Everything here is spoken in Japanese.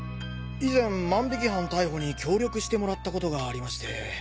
以前万引き犯逮捕に協力してもらったことがありまして。